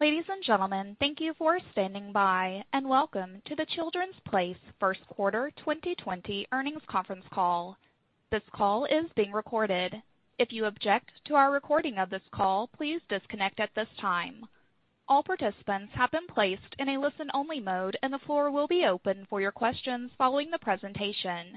Ladies and gentlemen, thank you for standing by, and welcome to The Children's Place First Quarter 2020 Earnings Conference Call. This call is being recorded. If you object to our recording of this call, please disconnect at this time. All participants have been placed in a listen-only mode, and the floor will be open for your questions following the presentation.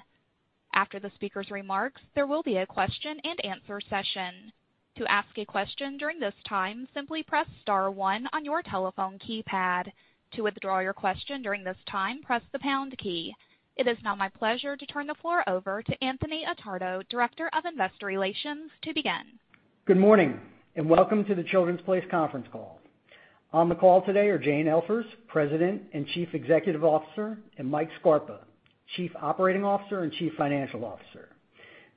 After the speaker's remarks, there will be a question and answer session. To ask a question during this time, simply press star one on your telephone keypad. To withdraw your question during this time, press the pound key. It is now my pleasure to turn the floor over to Anthony Attardo, Director of Investor Relations, to begin. Good morning, and welcome to The Children's Place conference call. On the call today are Jane Elfers, President and Chief Executive Officer, and Mike Scarpa, Chief Operating Officer and Chief Financial Officer.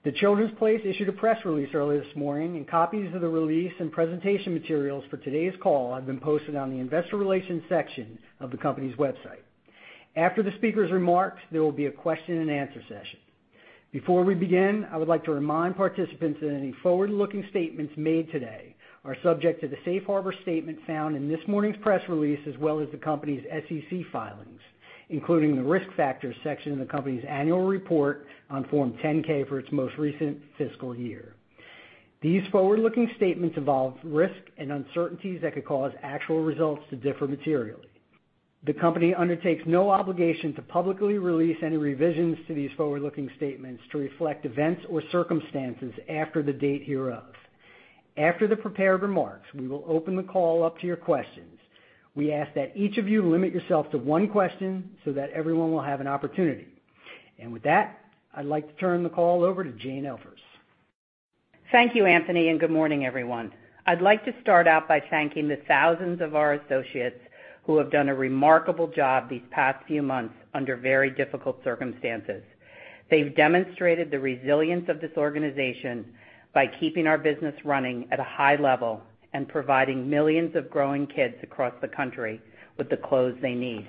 The Children's Place issued a press release early this morning, and copies of the release and presentation materials for today's call have been posted on the investor relations section of the company's website. After the speaker's remarks, there will be a question and answer session. Before we begin, I would like to remind participants that any forward-looking statements made today are subject to the safe harbor statement found in this morning's press release, as well as the company's SEC filings, including the Risk Factors section in the company's annual report on Form 10-K for its most recent fiscal year. These forward-looking statements involve risks and uncertainties that could cause actual results to differ materially. The company undertakes no obligation to publicly release any revisions to these forward-looking statements to reflect events or circumstances after the date hereof. After the prepared remarks, we will open the call up to your questions. We ask that each of you limit yourself to one question so that everyone will have an opportunity. With that, I'd like to turn the call over to Jane Elfers. Thank you, Anthony, and good morning, everyone. I'd like to start out by thanking the thousands of our associates who have done a remarkable job these past few months under very difficult circumstances. They've demonstrated the resilience of this organization by keeping our business running at a high level and providing millions of growing kids across the country with the clothes they need.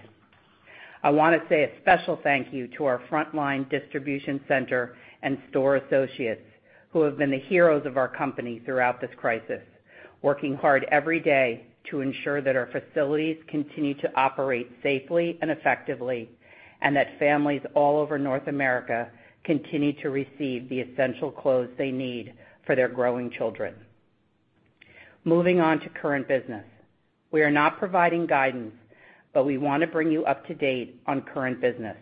I want to say a special thank you to our frontline distribution center and store associates, who have been the heroes of our company throughout this crisis, working hard every day to ensure that our facilities continue to operate safely and effectively, and that families all over North America continue to receive the essential clothes they need for their growing children. Moving on to current business. We are not providing guidance, we want to bring you up to date on current business.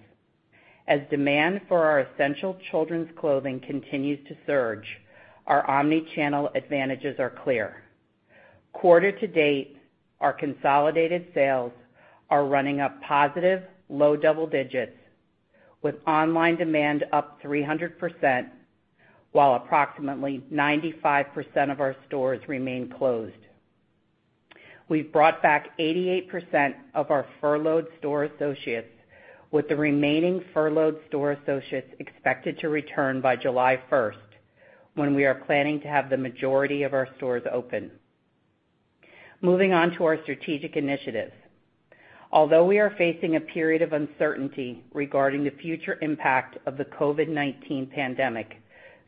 As demand for our essential children's clothing continues to surge, our omni-channel advantages are clear. Quarter to date, our consolidated sales are running up positive low double digits, with online demand up 300%, while approximately 95% of our stores remain closed. We've brought back 88% of our furloughed store associates, with the remaining furloughed store associates expected to return by July 1st, when we are planning to have the majority of our stores open. Moving on to our strategic initiatives. Although we are facing a period of uncertainty regarding the future impact of the COVID-19 pandemic,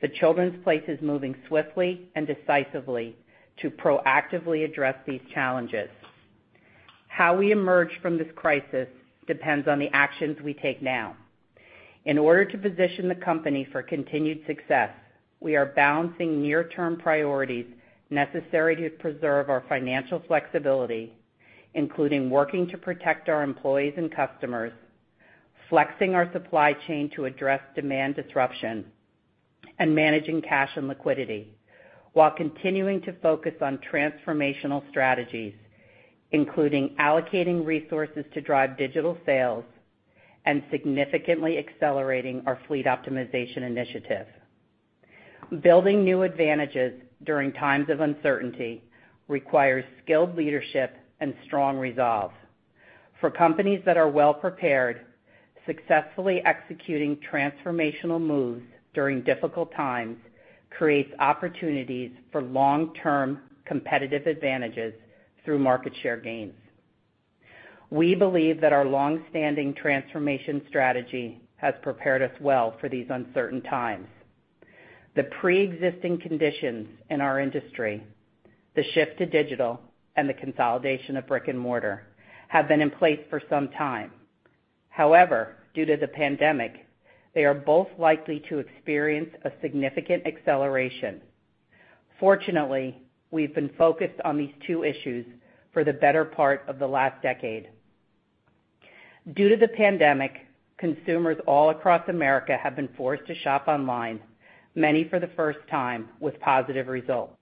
The Children's Place is moving swiftly and decisively to proactively address these challenges. How we emerge from this crisis depends on the actions we take now. In order to position the company for continued success, we are balancing near-term priorities necessary to preserve our financial flexibility, including working to protect our employees and customers, flexing our supply chain to address demand disruption, and managing cash and liquidity, while continuing to focus on transformational strategies, including allocating resources to drive digital sales and significantly accelerating our fleet optimization initiative. Building new advantages during times of uncertainty requires skilled leadership and strong resolve. For companies that are well prepared, successfully executing transformational moves during difficult times creates opportunities for long-term competitive advantages through market share gains. We believe that our longstanding transformation strategy has prepared us well for these uncertain times. The preexisting conditions in our industry, the shift to digital, and the consolidation of brick and mortar, have been in place for some time. However, due to the pandemic, they are both likely to experience a significant acceleration. Fortunately, we've been focused on these two issues for the better part of the last decade. Due to the pandemic, consumers all across America have been forced to shop online, many for the first time, with positive results.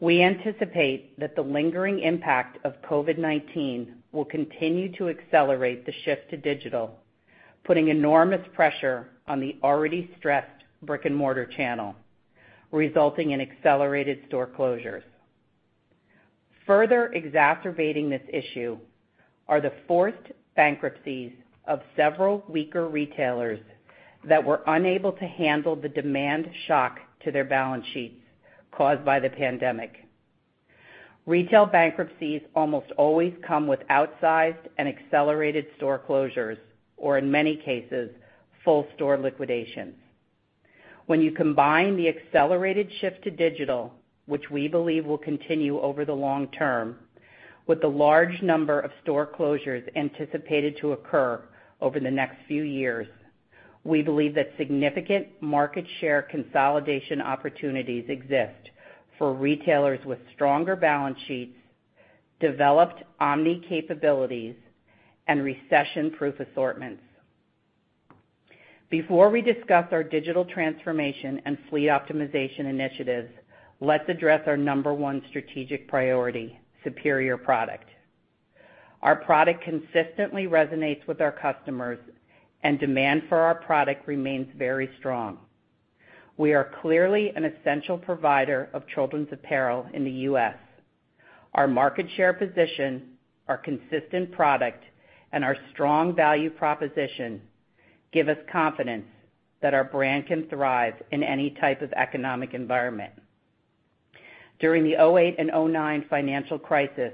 We anticipate that the lingering impact of COVID-19 will continue to accelerate the shift to digital, putting enormous pressure on the already stressed brick and mortar channel, resulting in accelerated store closures. Further exacerbating this issue are the forced bankruptcies of several weaker retailers that were unable to handle the demand shock to their balance sheets caused by the pandemic. Retail bankruptcies almost always come with outsized and accelerated store closures, or in many cases, full store liquidations. When you combine the accelerated shift to digital, which we believe will continue over the long term, with the large number of store closures anticipated to occur over the next few years, we believe that significant market share consolidation opportunities exist for retailers with stronger balance sheets, developed omni-capabilities, and recession-proof assortments. Before we discuss our digital transformation and fleet optimization initiatives, let's address our number one strategic priority, superior product. Our product consistently resonates with our customers, and demand for our product remains very strong. We are clearly an essential provider of children's apparel in the U.S. Our market share position, our consistent product, and our strong value proposition give us confidence that our brand can thrive in any type of economic environment. During the 2008 and 2009 financial crisis,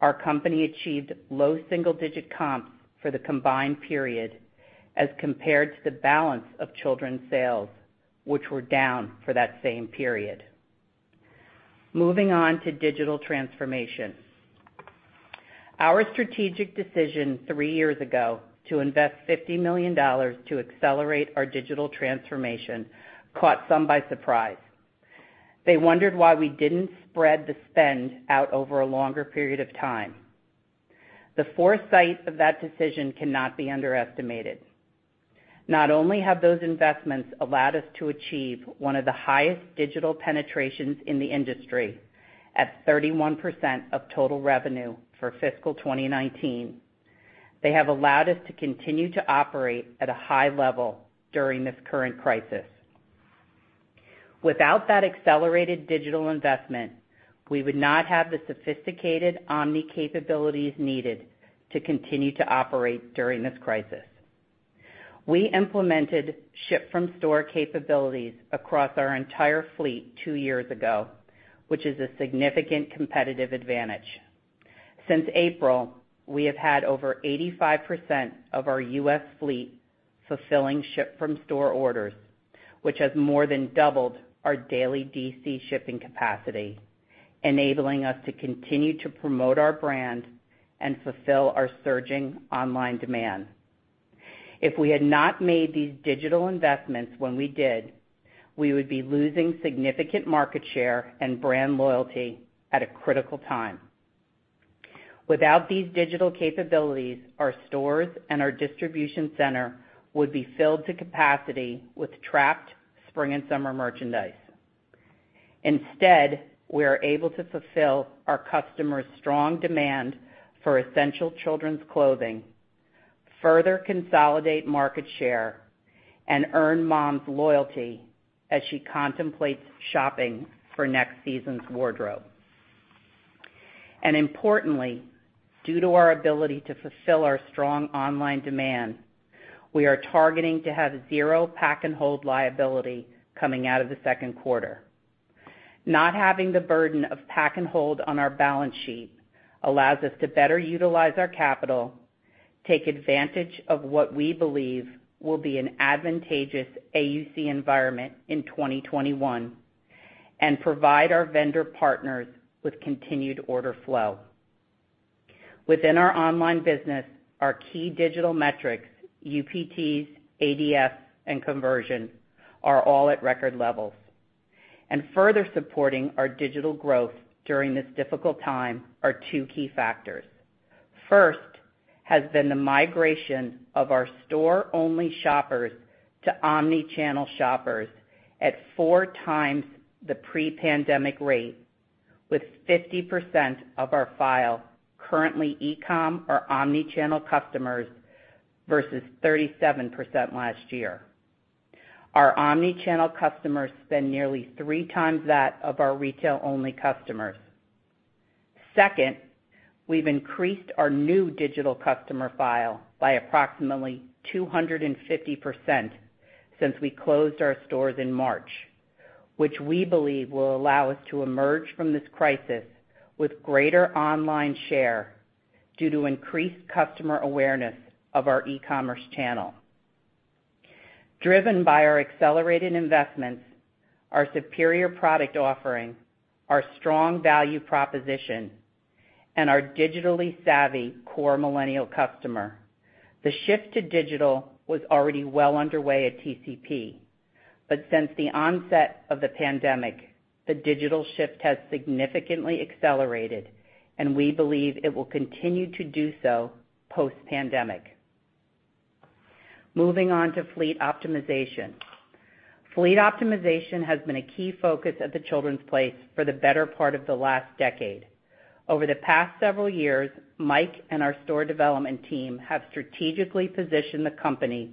our company achieved low single-digit comps for the combined period as compared to the balance of children's sales, which were down for that same period. Moving on to digital transformation. Our strategic decision three years ago to invest $50 million to accelerate our digital transformation caught some by surprise. They wondered why we didn't spread the spend out over a longer period of time. The foresight of that decision cannot be underestimated. Not only have those investments allowed us to achieve one of the highest digital penetrations in the industry at 31% of total revenue for fiscal 2019, they have allowed us to continue to operate at a high level during this current crisis. Without that accelerated digital investment, we would not have the sophisticated omni capabilities needed to continue to operate during this crisis. We implemented ship from store capabilities across our entire fleet two years ago, which is a significant competitive advantage. Since April, we have had over 85% of our U.S. fleet fulfilling ship from store orders, which has more than doubled our daily DC shipping capacity, enabling us to continue to promote our brand and fulfill our surging online demand. If we had not made these digital investments when we did, we would be losing significant market share and brand loyalty at a critical time. Without these digital capabilities, our stores and our distribution center would be filled to capacity with trapped spring and summer merchandise. Instead, we are able to fulfill our customers' strong demand for essential children's clothing, further consolidate market share, and earn mom's loyalty as she contemplates shopping for next season's wardrobe. Importantly, due to our ability to fulfill our strong online demand, we are targeting to have zero pack and hold liability coming out of the second quarter. Not having the burden of pack and hold on our balance sheet allows us to better utilize our capital, take advantage of what we believe will be an advantageous AUC environment in 2021, and provide our vendor partners with continued order flow. Within our online business, our key digital metrics, UPTs, AOV, and conversion, are all at record levels. Further supporting our digital growth during this difficult time are two key factors. First has been the migration of our store-only shoppers to omni-channel shoppers at four times the pre-pandemic rate, with 50% of our file currently ecom or omni-channel customers, versus 37% last year. Our omni-channel customers spend nearly three times that of our retail-only customers. Second, we've increased our new digital customer file by approximately 250% since we closed our stores in March, which we believe will allow us to emerge from this crisis with greater online share due to increased customer awareness of our e-commerce channel. Driven by our accelerated investments, our superior product offering, our strong value proposition, and our digitally savvy core millennial customer, the shift to digital was already well underway at TCP. Since the onset of the pandemic, the digital shift has significantly accelerated, and we believe it will continue to do so post pandemic. Moving on to fleet optimization. Fleet optimization has been a key focus at The Children's Place for the better part of the last decade. Over the past several years, Mike and our store development team have strategically positioned the company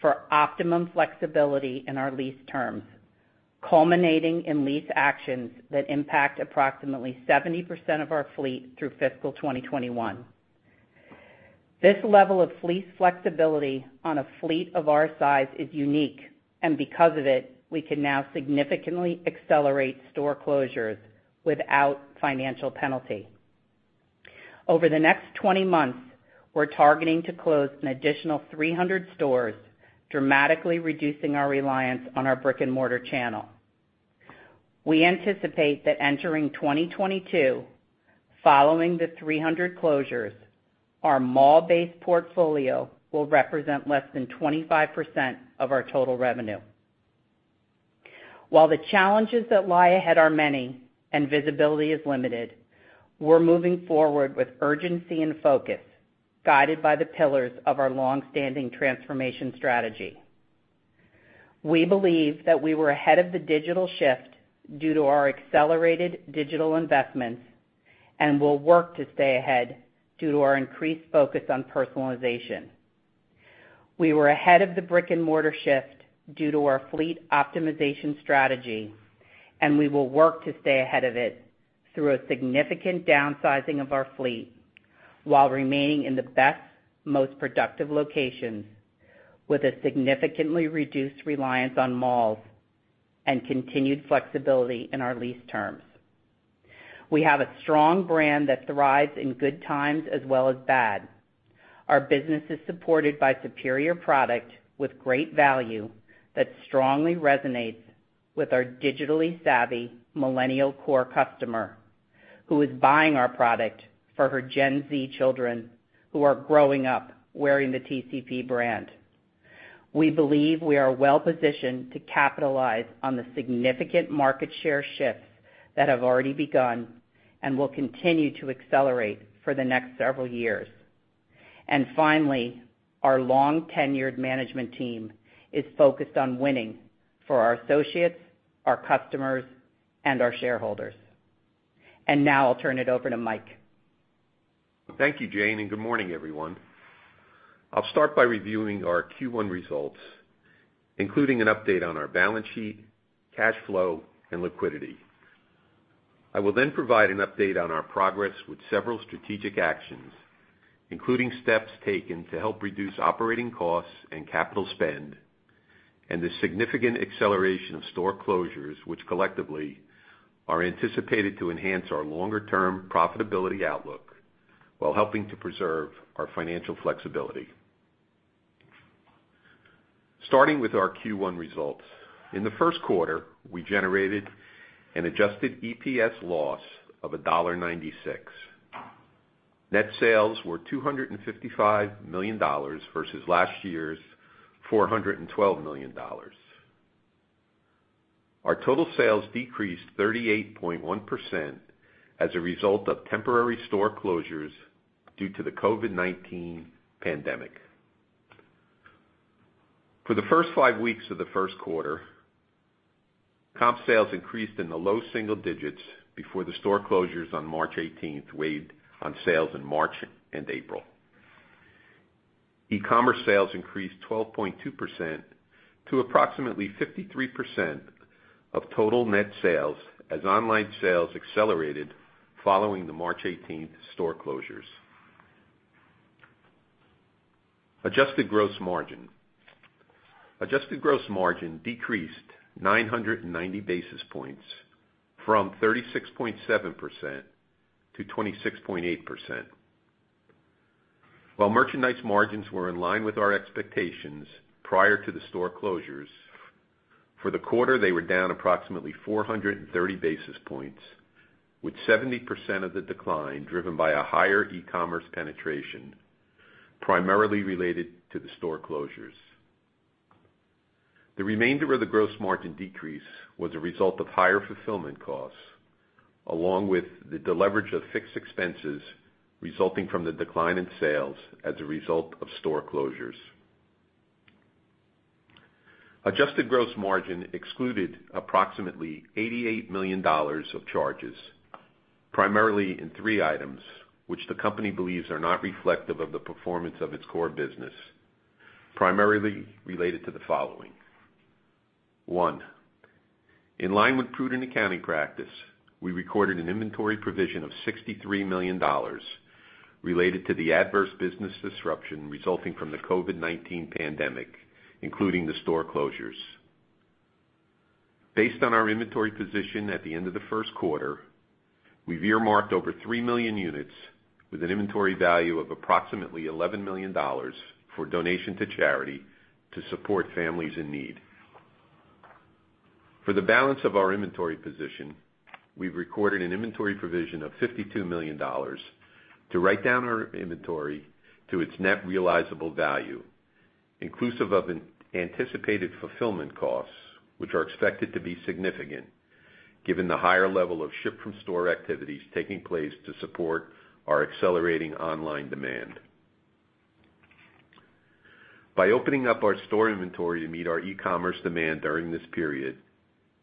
for optimum flexibility in our lease terms, culminating in lease actions that impact approximately 70% of our fleet through fiscal 2021. This level of fleet flexibility on a fleet of our size is unique. Because of it, we can now significantly accelerate store closures without financial penalty. Over the next 20 months, we're targeting to close an additional 300 stores, dramatically reducing our reliance on our brick-and-mortar channel. We anticipate that entering 2022, following the 300 closures, our mall-based portfolio will represent less than 25% of our total revenue. While the challenges that lie ahead are many and visibility is limited, we're moving forward with urgency and focus, guided by the pillars of our longstanding transformation strategy. We believe that we were ahead of the digital shift due to our accelerated digital investments, and will work to stay ahead due to our increased focus on personalization. We were ahead of the brick-and-mortar shift due to our fleet optimization strategy, and we will work to stay ahead of it through a significant downsizing of our fleet while remaining in the best, most productive locations with a significantly reduced reliance on malls and continued flexibility in our lease terms. We have a strong brand that thrives in good times as well as bad. Our business is supported by superior product with great value that strongly resonates with our digitally savvy millennial core customer, who is buying our product for her Gen Z children, who are growing up wearing the TCP brand. We believe we are well-positioned to capitalize on the significant market share shifts that have already begun and will continue to accelerate for the next several years. Finally, our long-tenured management team is focused on winning for our associates, our customers, and our shareholders. Now I'll turn it over to Mike. Thank you, Jane. Good morning, everyone. I'll start by reviewing our Q1 results, including an update on our balance sheet, cash flow, and liquidity. I will then provide an update on our progress with several strategic actions, including steps taken to help reduce operating costs and capital spend, and the significant acceleration of store closures, which collectively are anticipated to enhance our longer-term profitability outlook while helping to preserve our financial flexibility. Starting with our Q1 results. In the first quarter, we generated an adjusted EPS loss of $1.96. Net sales were $255 million versus last year's $412 million. Our total sales decreased 38.1% as a result of temporary store closures due to the COVID-19 pandemic. For the first five weeks of the first quarter, comp sales increased in the low single digits before the store closures on March 18th weighed on sales in March and April. E-commerce sales increased 12.2% to approximately 53% of total net sales as online sales accelerated following the March 18th store closures. Adjusted gross margin decreased 990 basis points from 36.7% to 26.8%. While merchandise margins were in line with our expectations prior to the store closures, for the quarter, they were down approximately 430 basis points, with 70% of the decline driven by a higher e-commerce penetration, primarily related to the store closures. The remainder of the gross margin decrease was a result of higher fulfillment costs, along with the deleverage of fixed expenses resulting from the decline in sales as a result of store closures. Adjusted gross margin excluded approximately $88 million of charges, primarily in three items, which the company believes are not reflective of the performance of its core business, primarily related to the following. One, in line with prudent accounting practice, we recorded an inventory provision of $63 million related to the adverse business disruption resulting from the COVID-19 pandemic, including the store closures. Based on our inventory position at the end of the first quarter, we've earmarked over 3 million units with an inventory value of approximately $11 million for donation to charity to support families in need. For the balance of our inventory position, we've recorded an inventory provision of $52 million to write down our inventory to its net realizable value, inclusive of anticipated fulfillment costs, which are expected to be significant given the higher level of ship-from-store activities taking place to support our accelerating online demand. By opening up our store inventory to meet our e-commerce demand during this period,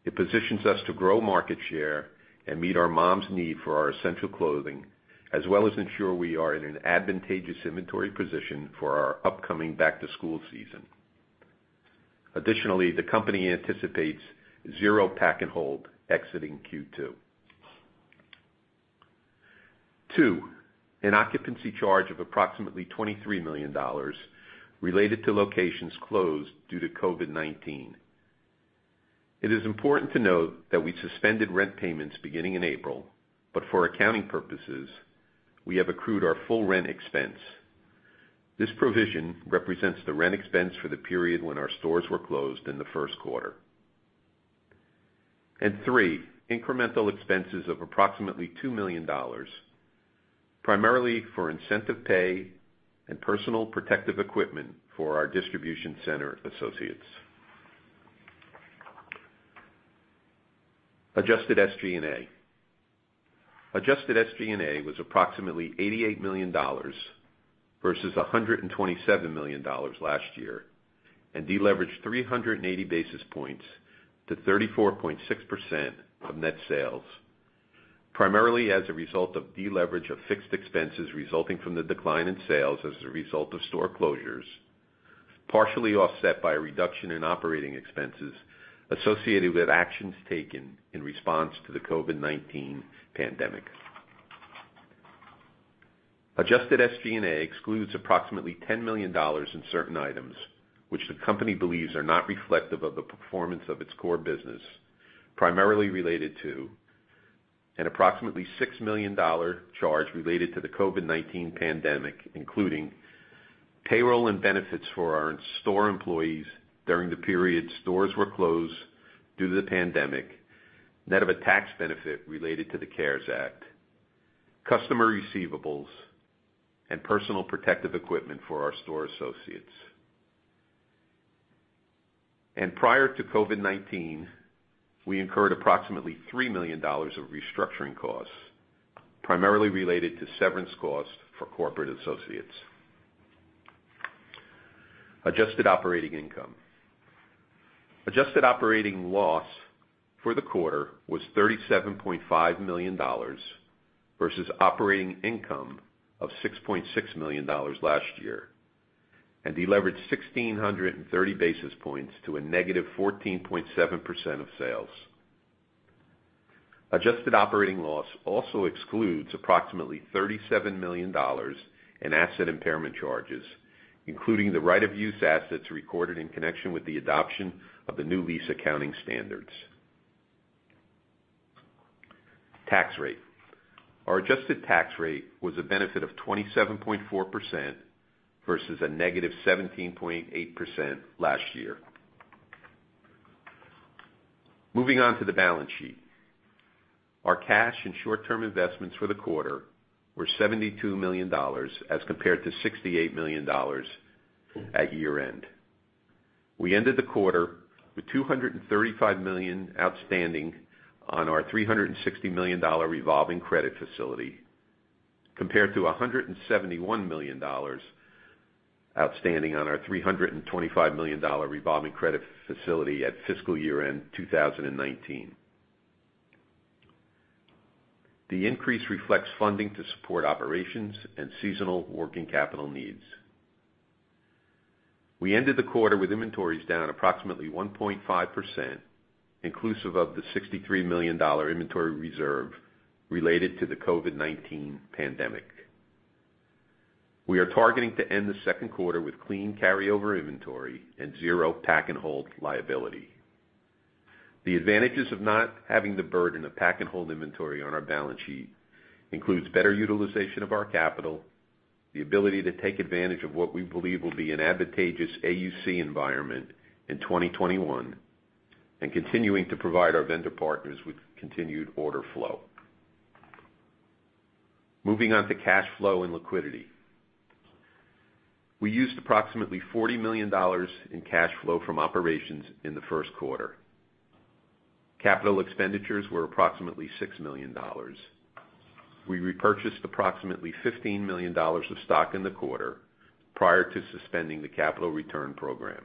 it positions us to grow market share and meet our moms' need for our essential clothing, as well as ensure we are in an advantageous inventory position for our upcoming back-to-school season. The company anticipates zero pack and hold exiting Q2. Two, an occupancy charge of approximately $23 million related to locations closed due to COVID-19. It is important to note that we suspended rent payments beginning in April, but for accounting purposes, we have accrued our full rent expense. This provision represents the rent expense for the period when our stores were closed in the first quarter. Three, incremental expenses of approximately $2 million, primarily for incentive pay and personal protective equipment for our distribution center associates. Adjusted SG&A. Adjusted SG&A was approximately $88 million versus $127 million last year, and deleveraged 380 basis points to 34.6% of net sales, primarily as a result of deleverage of fixed expenses resulting from the decline in sales as a result of store closures, partially offset by a reduction in operating expenses associated with actions taken in response to the COVID-19 pandemic. Adjusted SG&A excludes approximately $10 million in certain items, which the company believes are not reflective of the performance of its core business, primarily related to an approximately $6 million charge related to the COVID-19 pandemic, including payroll and benefits for our in-store employees during the period stores were closed due to the pandemic, net of a tax benefit related to the CARES Act, customer receivables, and personal protective equipment for our store associates. Prior to COVID-19, we incurred approximately $3 million of restructuring costs, primarily related to severance costs for corporate associates. Adjusted operating loss for the quarter was $37.5 million versus operating income of $6.6 million last year, and deleveraged 1,630 basis points to a -14.7% of sales. Adjusted operating loss also excludes approximately $37 million in asset impairment charges, including the right-of-use assets recorded in connection with the adoption of the new lease accounting standards. Tax rate. Our adjusted tax rate was a benefit of 27.4% versus a -17.8% last year. Moving on to the balance sheet. Our cash and short-term investments for the quarter were $72 million as compared to $68 million at year-end. We ended the quarter with $235 million outstanding on our $360 million revolving credit facility, compared to $171 million outstanding on our $325 million revolving credit facility at fiscal year-end 2019. The increase reflects funding to support operations and seasonal working capital needs. We ended the quarter with inventories down approximately 1.5%, inclusive of the $63 million inventory reserve related to the COVID-19 pandemic. We are targeting to end the second quarter with clean carryover inventory and zero pack-and-hold liability. The advantages of not having the burden of pack-and-hold inventory on our balance sheet includes better utilization of our capital, the ability to take advantage of what we believe will be an advantageous AUC environment in 2021, and continuing to provide our vendor partners with continued order flow. Moving on to cash flow and liquidity. We used approximately $40 million in cash flow from operations in the first quarter. Capital expenditures were approximately $6 million. We repurchased approximately $15 million of stock in the quarter, prior to suspending the capital return program.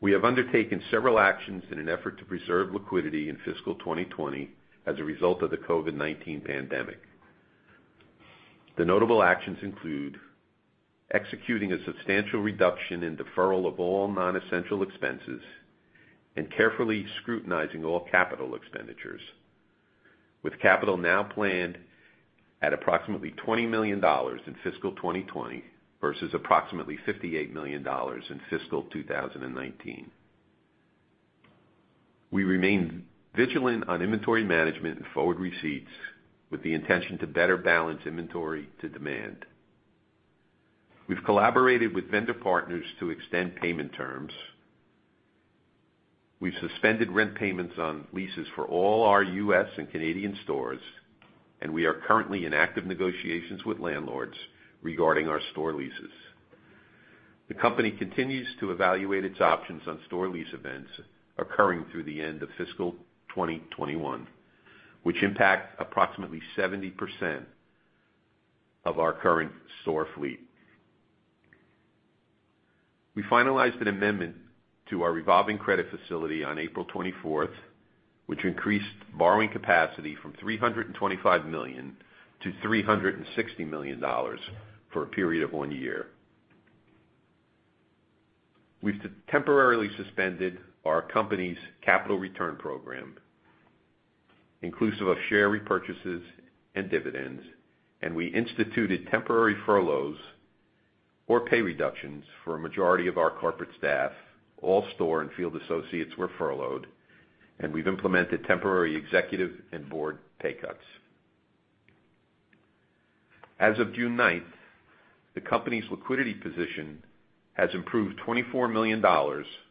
We have undertaken several actions in an effort to preserve liquidity in fiscal 2020 as a result of the COVID-19 pandemic. The notable actions include executing a substantial reduction in deferral of all non-essential expenses and carefully scrutinizing all capital expenditures, with capital now planned at approximately $20 million in fiscal 2020 versus approximately $58 million in fiscal 2019. We remain vigilant on inventory management and forward receipts with the intention to better balance inventory to demand. We've collaborated with vendor partners to extend payment terms. We've suspended rent payments on leases for all our U.S. and Canadian stores. We are currently in active negotiations with landlords regarding our store leases. The company continues to evaluate its options on store lease events occurring through the end of fiscal 2021, which impact approximately 70% of our current store fleet. We finalized an amendment to our revolving credit facility on April 24th, which increased borrowing capacity from $325 million to $360 million for a period of one year. We've temporarily suspended our company's capital return program, inclusive of share repurchases and dividends. We instituted temporary furloughs or pay reductions for a majority of our corporate staff, all store and field associates were furloughed. We've implemented temporary executive and board pay cuts. As of June 9th, the company's liquidity position has improved $24 million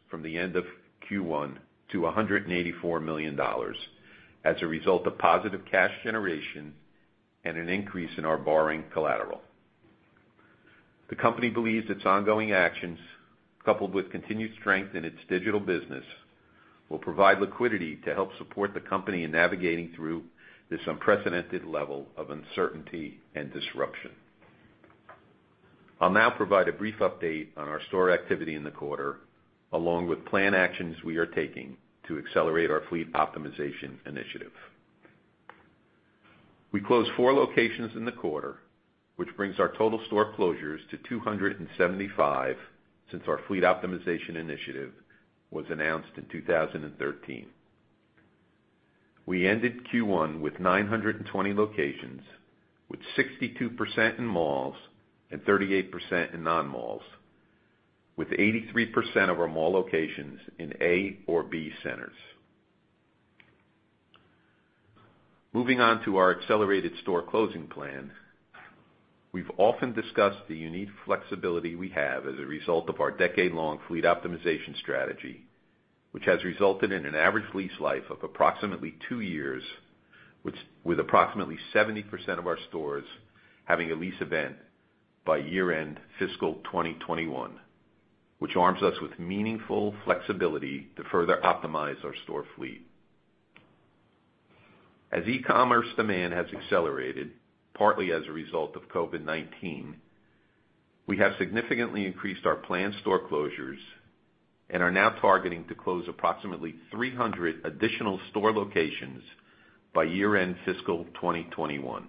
from the end of Q1 to $184 million as a result of positive cash generation and an increase in our borrowing collateral. The company believes its ongoing actions, coupled with continued strength in its digital business, will provide liquidity to help support the company in navigating through this unprecedented level of uncertainty and disruption. I'll now provide a brief update on our store activity in the quarter, along with plan actions we are taking to accelerate our fleet optimization initiative. We closed four locations in the quarter, which brings our total store closures to 275 since our fleet optimization initiative was announced in 2013. We ended Q1 with 920 locations, with 62% in malls and 38% in non-malls, with 83% of our mall locations in A or B centers. Moving on to our accelerated store closing plan. We've often discussed the unique flexibility we have as a result of our decade long fleet optimization strategy, which has resulted in an average lease life of approximately two years, with approximately 70% of our stores having a lease event by year end fiscal 2021, which arms us with meaningful flexibility to further optimize our store fleet. As e-commerce demand has accelerated, partly as a result of COVID-19, we have significantly increased our planned store closures and are now targeting to close approximately 300 additional store locations by year end fiscal 2021.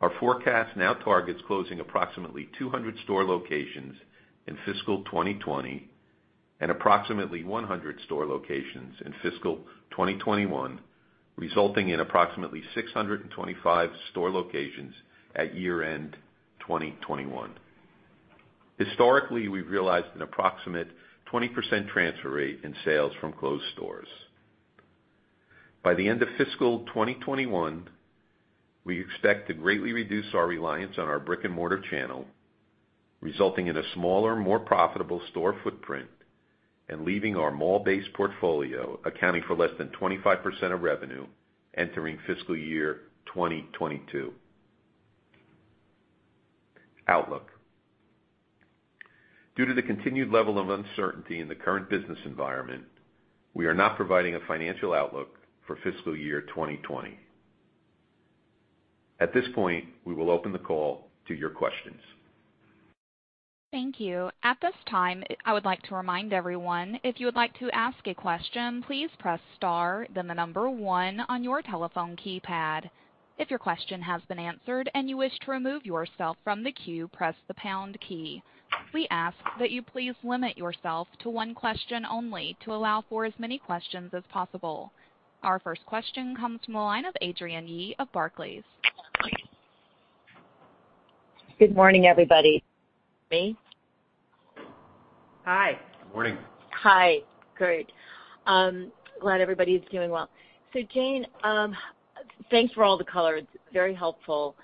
Our forecast now targets closing approximately 200 store locations in fiscal 2020 and approximately 100 store locations in fiscal 2021, resulting in approximately 625 store locations at year end 2021. Historically, we've realized an approximate 20% transfer rate in sales from closed stores. By the end of fiscal 2021, we expect to greatly reduce our reliance on our brick and mortar channel, resulting in a smaller, more profitable store footprint and leaving our mall base portfolio accounting for less than 25% of revenue entering fiscal year 2022. Outlook. Due to the continued level of uncertainty in the current business environment, we are not providing a financial outlook for fiscal year 2020. At this point, we will open the call to your questions. Thank you. At this time, I would like to remind everyone, if you would like to ask a question, please press star, then the number one on your telephone keypad. If your question has been answered and you wish to remove yourself from the queue, press the pound key. We ask that you please limit yourself to one question only to allow for as many questions as possible. Our first question comes from the line of Adrienne Yih of Barclays. Good morning, everybody. Me? Hi. Good morning. Hi. Great. Glad everybody is doing well. Jane, thanks for all the color. It's very helpful.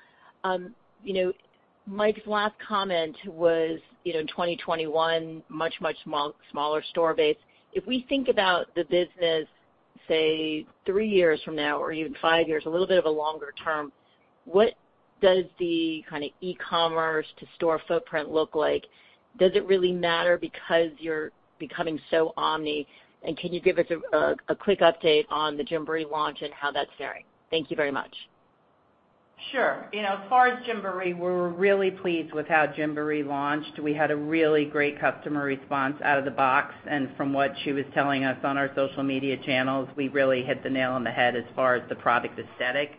Mike's last comment was in 2021, much smaller store base. If we think about the business, say, three years from now or even five years, a little bit of a longer term, what does the kind of e-commerce to store footprint look like? Does it really matter because you're becoming so omni? Can you give us a quick update on the Gymboree launch and how that's faring? Thank you very much. Sure. As far as Gymboree, we're really pleased with how Gymboree launched. We had a really great customer response out of the box, and from what she was telling us on our social media channels, we really hit the nail on the head as far as the product aesthetic.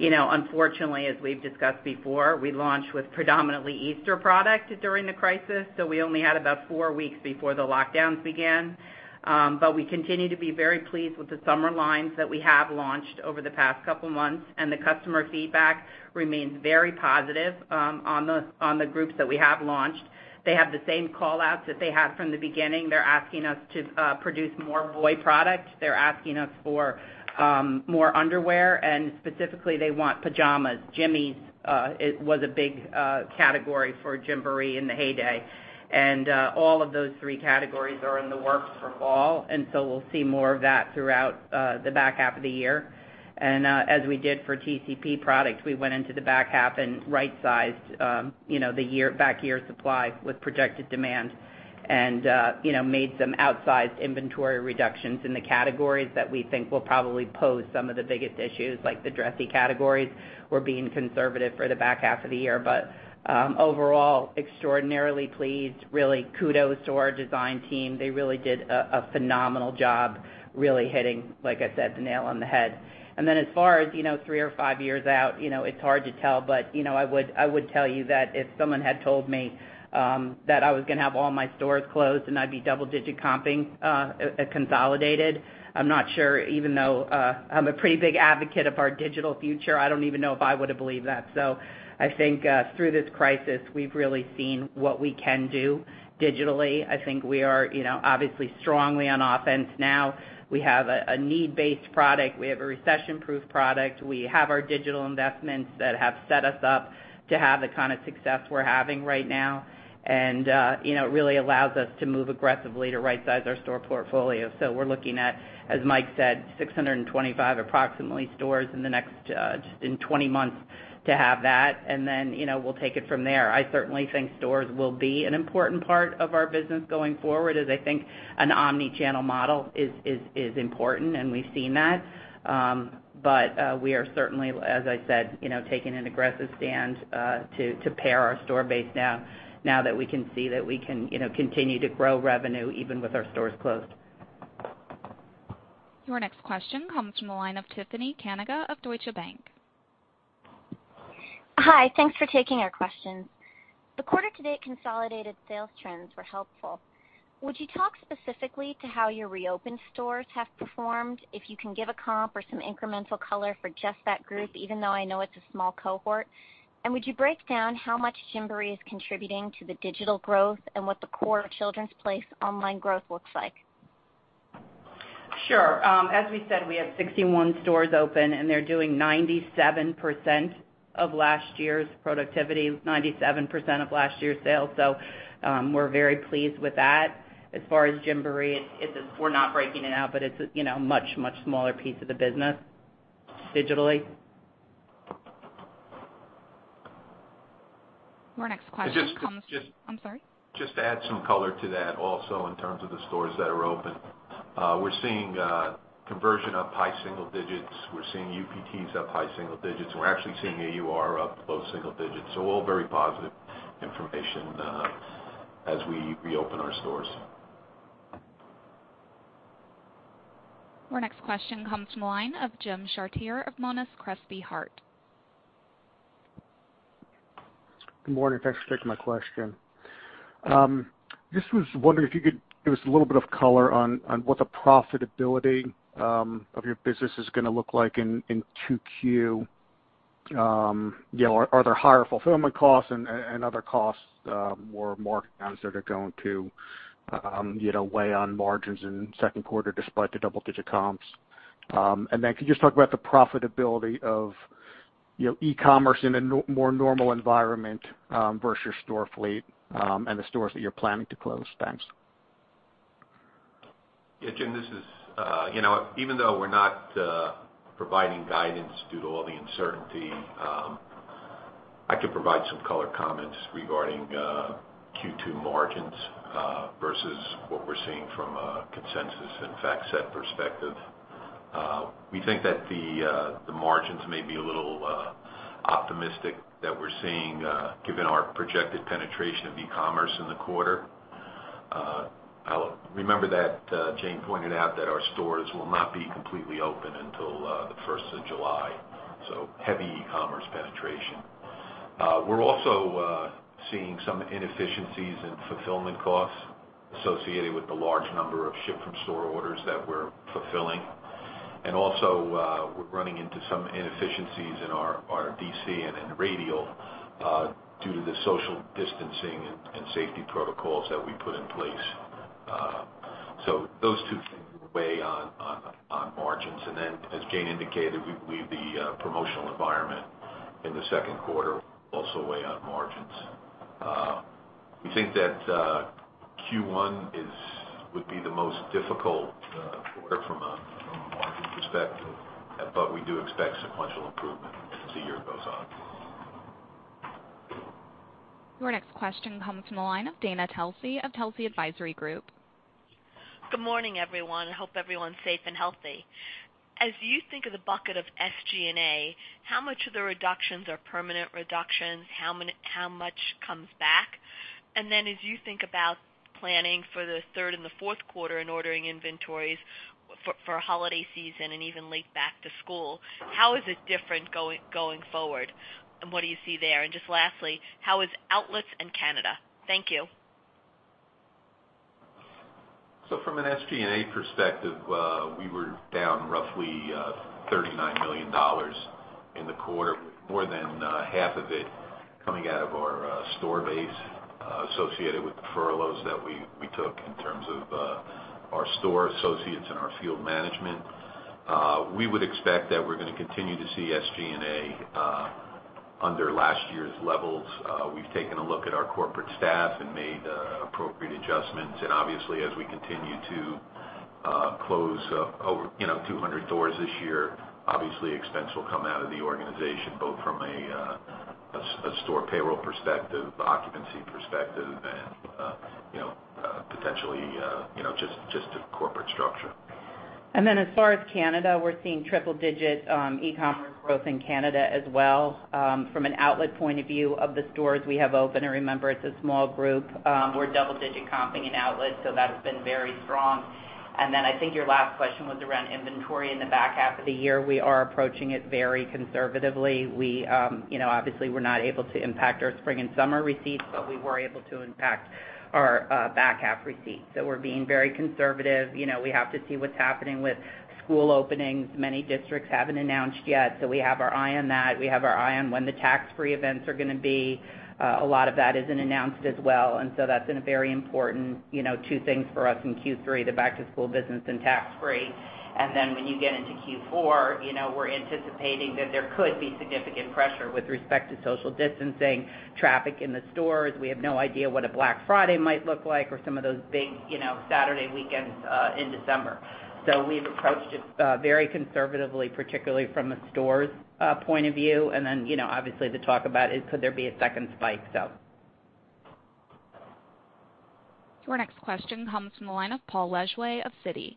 Unfortunately, as we've discussed before, we launched with predominantly Easter product during the crisis, so we only had about four weeks before the lockdowns began. We continue to be very pleased with the summer lines that we have launched over the past couple of months, and the customer feedback remains very positive on the groups that we have launched. They have the same call-outs that they had from the beginning. They're asking us to produce more boy product. They're asking us for more underwear, and specifically, they want pajamas. Gymmies was a big category for Gymboree in the heyday. All of those three categories are in the works for fall. We'll see more of that throughout the back half of the year. As we did for TCP products, we went into the back half and right-sized the back year supply with projected demand and made some outsized inventory reductions in the categories that we think will probably pose some of the biggest issues, like the dressy categories. We're being conservative for the back half of the year. Overall, extraordinarily pleased, really kudos to our design team. They really did a phenomenal job really hitting, like I said, the nail on the head. Then as far as three or five years out, it's hard to tell, but I would tell you that if someone had told me that I was going to have all my stores closed and I'd be double-digit comping at consolidated, I'm not sure, even though I'm a pretty big advocate of our digital future, I don't even know if I would've believed that. I think through this crisis, we've really seen what we can do digitally. I think we are obviously strongly on offense now. We have a need-based product. We have a recession-proof product. We have our digital investments that have set us up to have the kind of success we're having right now. It really allows us to move aggressively to right-size our store portfolio. We're looking at, as Mike said, 625 approximately stores in the next just in 20 months to have that. We'll take it from there. I certainly think stores will be an important part of our business going forward, as I think an omni-channel model is important, and we've seen that. We are certainly, as I said, taking an aggressive stand to pare our store base now that we can see that we can continue to grow revenue even with our stores closed. Your next question comes from the line of Tiffany Kanaga of Deutsche Bank. Hi. Thanks for taking our questions. The quarter to date consolidated sales trends were helpful. Would you talk specifically to how your reopened stores have performed, if you can give a comp or some incremental color for just that group, even though I know it's a small cohort? Would you break down how much Gymboree is contributing to the digital growth and what the core of The Children's Place online growth looks like? Sure. As we said, we have 61 stores open. They're doing 97% of last year's productivity, 97% of last year's sales. We're very pleased with that. As far as Gymboree, we're not breaking it out. It's a much, much smaller piece of the business digitally. Your next question comes. Just to- I'm sorry. Just to add some color to that also in terms of the stores that are open. We're seeing conversion up high single digits. We're seeing UPTs up high single digits, and we're actually seeing AUR up low single digits. All very positive information as we reopen our stores. Our next question comes from the line of Jim Chartier of Monness, Crespi, Hardt. Good morning. Thanks for taking my question. Just was wondering if you could give us a little bit of color on what the profitability of your business is going to look like in 2Q. Are there higher fulfillment costs and other costs, more markdowns that are going to weigh on margins in second quarter despite the double-digit comps? Could you just talk about the profitability of e-commerce in a more normal environment versus store fleet, and the stores that you're planning to close? Thanks. Yeah, Jim, even though we're not providing guidance due to all the uncertainty, I can provide some color comments regarding Q2 margins versus what we're seeing from a consensus and FactSet perspective. We think that the margins may be a little optimistic that we're seeing given our projected penetration of e-commerce in the quarter. Remember that Jane pointed out that our stores will not be completely open until the 1st of July, heavy e-commerce penetration. We're also seeing some inefficiencies in fulfillment costs associated with the large number of ship-from-store orders that we're fulfilling. Also, we're running into some inefficiencies in our DC and in Radial due to the social distancing and safety protocols that we put in place. Those two things will weigh on margins. Then as Jane indicated, we believe the promotional environment in the second quarter will also weigh on margins. We think that Q1 would be the most difficult quarter from a margin perspective, but we do expect sequential improvement as the year goes on. Your next question comes from the line of Dana Telsey of Telsey Advisory Group. Good morning, everyone. Hope everyone's safe and healthy. As you think of the bucket of SG&A, how much of the reductions are permanent reductions? How much comes back? As you think about planning for the third and the fourth quarter and ordering inventories for holiday season and even late back to school, how is it different going forward? What do you see there? Just lastly, how is outlets in Canada? Thank you. From an SG&A perspective, we were down roughly $39 million in the quarter. More than half of it coming out of our store base associated with the furloughs that we took in terms of our store associates and our field management. We would expect that we're going to continue to see SG&A under last year's levels, we've taken a look at our corporate staff and made appropriate adjustments. Obviously, as we continue to close over 200 doors this year, obviously expense will come out of the organization, both from a store payroll perspective, occupancy perspective, and potentially, just a corporate structure. As far as Canada, we're seeing triple-digit e-commerce growth in Canada as well. From an outlet point of view of the stores we have open, and remember, it's a small group, we're double-digit comping in outlets, so that has been very strong. I think your last question was around inventory in the back half of the year. We are approaching it very conservatively. Obviously, we're not able to impact our spring and summer receipts, but we were able to impact our back half receipts. We're being very conservative. We have to see what's happening with school openings. Many districts haven't announced yet, so we have our eye on that. We have our eye on when the tax-free events are going to be. A lot of that isn't announced as well. That's been very important, two things for us in Q3, the back-to-school business and tax-free. When you get into Q4, we're anticipating that there could be significant pressure with respect to social distancing, traffic in the stores. We have no idea what a Black Friday might look like or some of those big Saturday weekends in December. We've approached it very conservatively, particularly from a stores point of view. Obviously, the talk about is could there be a second spike. Your next question comes from the line of Paul Lejuez of Citi.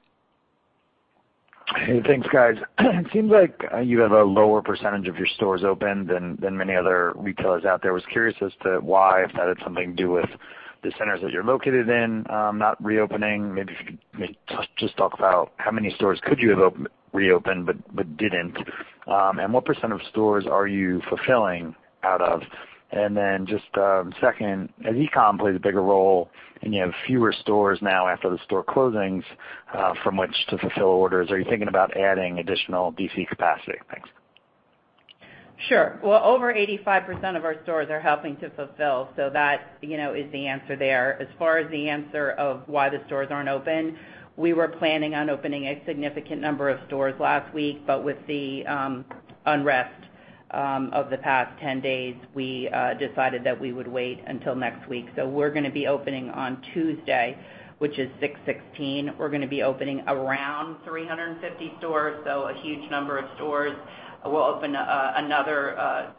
Hey, thanks guys. It seems like you have a lower percentage of your stores open than many other retailers out there. I was curious as to why, if that had something to do with the centers that you're located in not reopening. Maybe if you could just talk about how many stores could you have reopened but didn't? What percent of stores are you fulfilling out of? Just second, as e-com plays a bigger role and you have fewer stores now after the store closings, from which to fulfill orders, are you thinking about adding additional DC capacity? Thanks. Sure. Well, over 85% of our stores are helping to fulfill, so that is the answer there. As far as the answer of why the stores aren't open, we were planning on opening a significant number of stores last week, but with the unrest of the past 10 days, we decided that we would wait until next week. We're going to be opening on Tuesday, which is 6/16. We're going to be opening around 350 stores, so a huge number of stores. We'll open another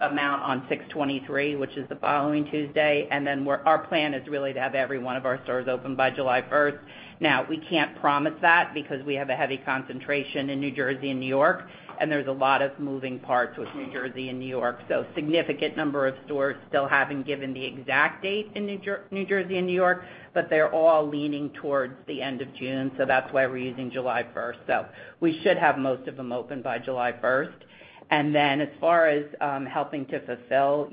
amount on 6/23, which is the following Tuesday. Our plan is really to have every one of our stores open by July 1st. Now, we can't promise that because we have a heavy concentration in New Jersey and New York, and there's a lot of moving parts with New Jersey and New York. Significant number of stores still haven't given the exact date in New Jersey and New York, but they're all leaning towards the end of June, so that's why we're using July 1st. We should have most of them open by July 1st. As far as helping to fulfill,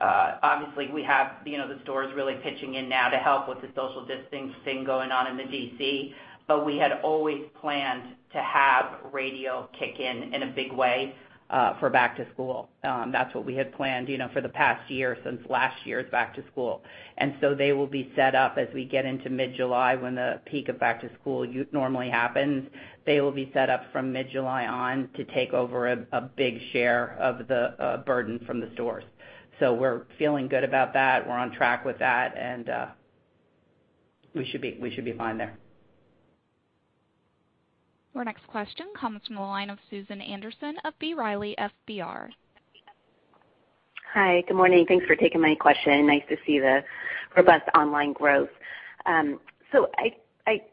obviously, we have the stores really pitching in now to help with the social distancing going on in the DC, but we had always planned to have Radial kick in in a big way, for back to school. That's what we had planned for the past year since last year's back to school. They will be set up as we get into mid-July when the peak of back to school normally happens. They will be set up from mid-July on to take over a big share of the burden from the stores. We're feeling good about that. We're on track with that, and we should be fine there. Our next question comes from the line of Susan Anderson of B. Riley FBR. Hi. Good morning. Thanks for taking my question. Nice to see the robust online growth.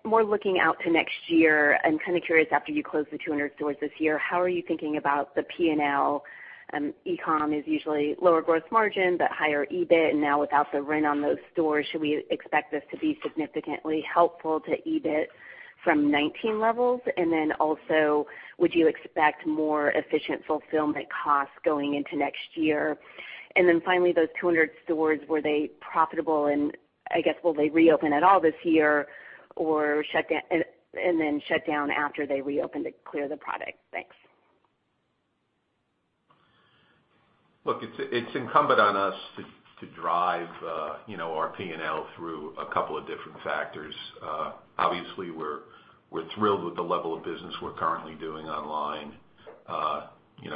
More looking out to next year, I'm kind of curious after you close the 200 stores this year, how are you thinking about the P&L? E-com is usually lower growth margin, but higher EBIT. Now without the rent on those stores, should we expect this to be significantly helpful to EBIT from 2019 levels? Also, would you expect more efficient fulfillment costs going into next year? Finally, those 200 stores, were they profitable and, I guess, will they reopen at all this year or, and then shut down after they reopen to clear the product? Thanks. Look, it's incumbent on us to drive our P&L through a couple of different factors. Obviously, we're thrilled with the level of business we're currently doing online.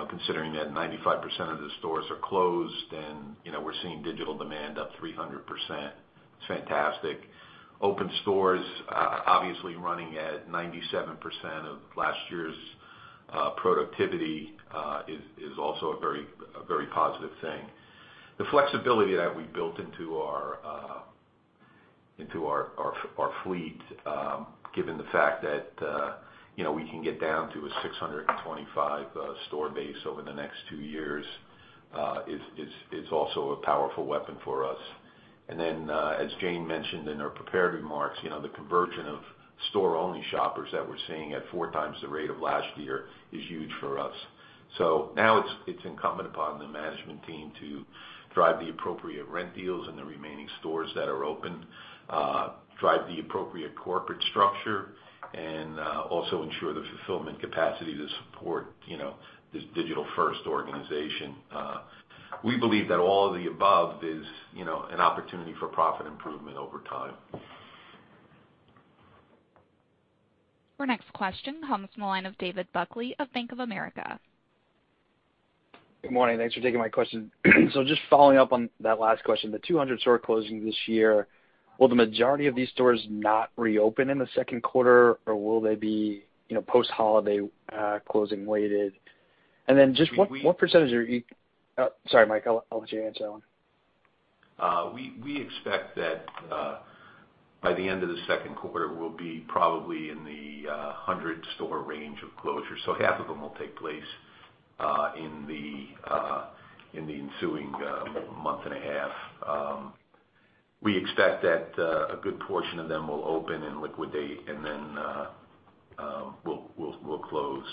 Considering that 95% of the stores are closed and we're seeing digital demand up 300%, it's fantastic. Open stores obviously running at 97% of last year's productivity is also a very positive thing. The flexibility that we built into our fleet, given the fact that we can get down to a 625 store base over the next two years, is also a powerful weapon for us. As Jane mentioned in our prepared remarks, the conversion of store-only shoppers that we're seeing at four times the rate of last year is huge for us. Now it's incumbent upon the management team to drive the appropriate rent deals in the remaining stores that are open, drive the appropriate corporate structure, and also ensure the fulfillment capacity to support this digital-first organization. We believe that all of the above is an opportunity for profit improvement over time. Our next question comes from the line of David Buckley of Bank of America. Good morning. Thanks for taking my question. Just following up on that last question, the 200 store closings this year, will the majority of these stores not reopen in the second quarter, or will they be post-holiday closing weighted? Then just what percentage are you. Sorry, Mike, I'll let you answer that one. We expect that by the end of the second quarter, we'll be probably in the 100 store range of closures. Half of them will take place in the ensuing month and a half. We expect that a good portion of them will open and liquidate and then we'll close,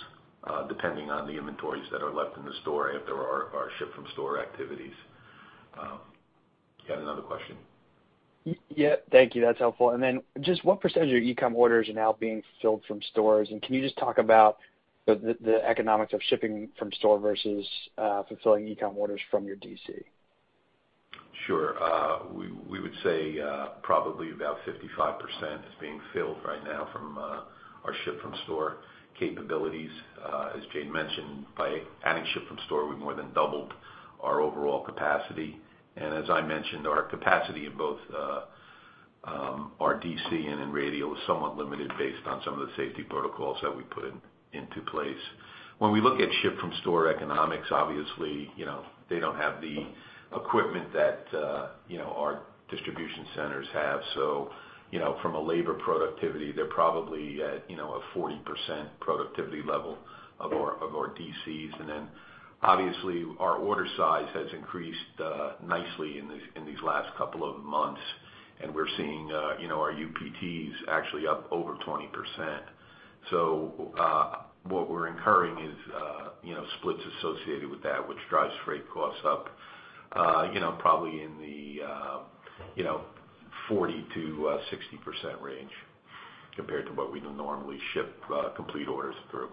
depending on the inventories that are left in the store if there are ship from store activities. You had another question. Yeah. Thank you. That's helpful. Then just what percent of your e-com orders are now being filled from stores? Can you just talk about the economics of shipping from store versus fulfilling e-com orders from your DC? Sure. We would say probably about 55% is being filled right now from our ship from store capabilities. As Jane mentioned, by adding ship from store, we more than doubled our overall capacity. As I mentioned, our capacity in both our D.C. and in Radial is somewhat limited based on some of the safety protocols that we put into place. When we look at ship from store economics, obviously, they don't have the equipment that our distribution centers have. From a labor productivity, they're probably at a 40% productivity level of our D.C.s. Obviously our order size has increased nicely in these last couple of months, and we're seeing our UPTs actually up over 20%. What we're incurring is splits associated with that, which drives freight costs up, probably in the 40%-60% range compared to what we'd normally ship complete orders through.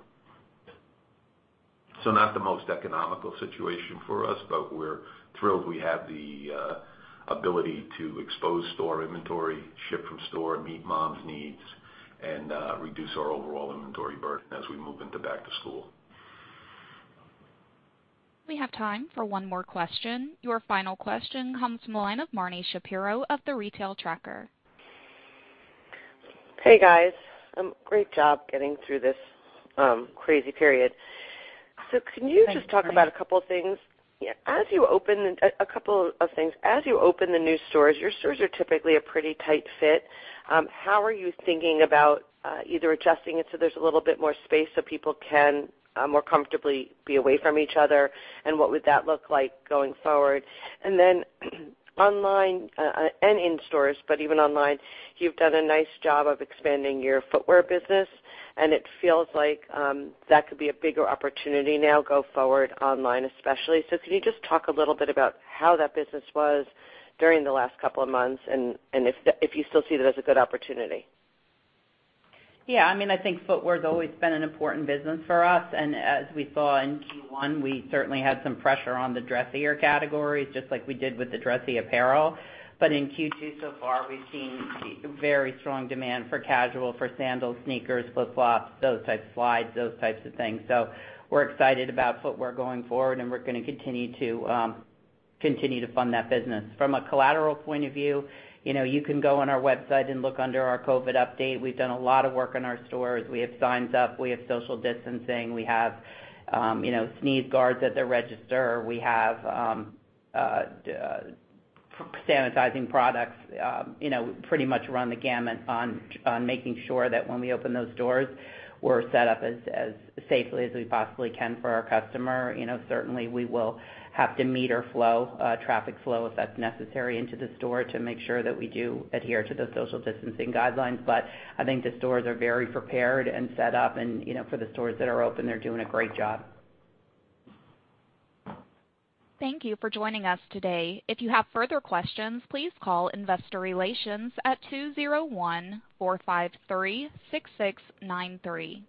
Not the most economical situation for us, but we're thrilled we have the ability to expose store inventory, ship from store, meet moms' needs, and reduce our overall inventory burden as we move into back to school. We have time for one more question. Your final question comes from the line of Marni Shapiro of The Retail Tracker. Hey, guys. Great job getting through this crazy period. Thanks, Marni. Can you just talk about a couple of things. As you open the new stores, your stores are typically a pretty tight fit. How are you thinking about either adjusting it so there's a little bit more space so people can more comfortably be away from each other, and what would that look like going forward? Online and in stores, but even online, you've done a nice job of expanding your footwear business, and it feels like that could be a bigger opportunity now go forward online especially. Can you just talk a little bit about how that business was during the last couple of months and if you still see it as a good opportunity? Yeah, I think footwear's always been an important business for us, and as we saw in Q1, we certainly had some pressure on the dressier categories, just like we did with the dressy apparel. In Q2 so far, we've seen very strong demand for casual, for sandals, sneakers, flip-flops, those types, slides, those types of things. We're excited about footwear going forward, and we're going to continue to fund that business. From a collateral point of view, you can go on our website and look under our COVID update. We've done a lot of work in our stores. We have signs up. We have social distancing. We have sneeze guards at the register. We have sanitizing products. Pretty much run the gamut on making sure that when we open those doors, we're set up as safely as we possibly can for our customer. Certainly, we will have to meter flow, traffic flow, if that's necessary into the store to make sure that we do adhere to those social distancing guidelines. I think the stores are very prepared and set up and, for the stores that are open, they're doing a great job. Thank you for joining us today. If you have further questions, please call investor relations at 201-453-6693.